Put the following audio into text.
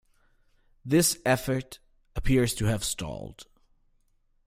This effort appears to have stalled.